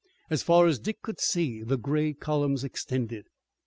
As far as Dick could see the gray columns extended.